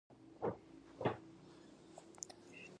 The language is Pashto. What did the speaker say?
شريف دريڅې ته منډه کړه.